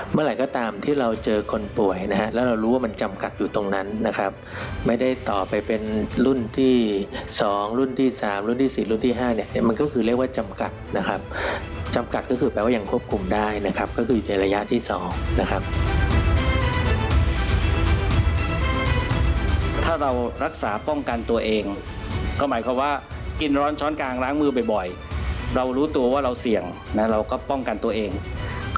ประเทศไทย๑๕ลายและรักษาหายแล้ว๓๔ลายและยังรักษาอยู่ที่โรงพยาบาล๒๔ลายเสียชีวิต๑ลาย